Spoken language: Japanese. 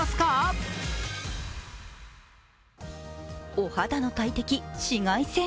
お肌の大敵、紫外線。